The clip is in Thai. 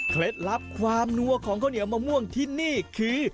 ลับความนัวของข้าวเหนียวมะม่วงที่นี่คือ